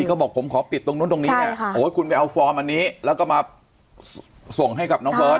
เขาบอกผมขอปิดตรงนู้นตรงนี้เนี่ยโอ้ยคุณไปเอาฟอร์มอันนี้แล้วก็มาส่งให้กับน้องเบิร์ต